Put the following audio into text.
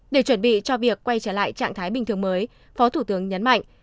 để chuẩn bị cho việc quay trở lại trạng thái bình thường mới phó thủ tướng nhấn mạnh